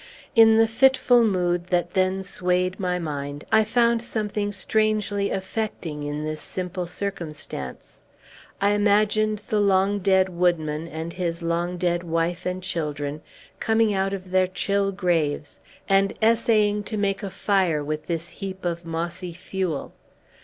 In the fitful mood that then swayed my mind, I found something strangely affecting in this simple circumstance. I imagined the long dead woodman, and his long dead wife and children, coming out of their chill graves, and essaying to make a fire with this heap of mossy fuel!